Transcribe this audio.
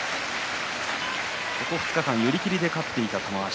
ここ２日間寄り切りで勝っていた玉鷲。